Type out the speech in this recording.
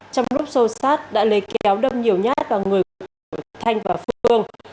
trong lúc sâu sát đã lấy kéo đâm nhiều nhát vào người của thanh và phương